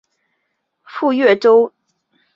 赴岳州托庇于湖南军阀赵恒惕。